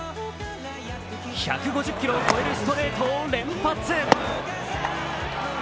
１５０キロを超えるストレートを連発。